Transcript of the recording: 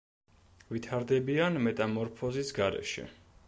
ვითარდებიან მეტამორფოზის გარეშე.